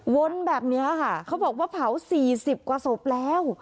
แบบนี้ค่ะเขาบอกว่าเผา๔๐กว่าศพแล้ว